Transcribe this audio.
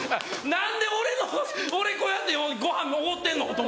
何で俺俺こうやってごはんおごってんの？と思って。